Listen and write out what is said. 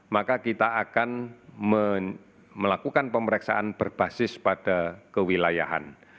maka kita akan melakukan pemeriksaan berbasis pada kewilayahan